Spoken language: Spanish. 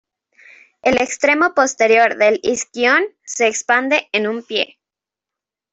El extremo posterior del isquion se expande en un "pie".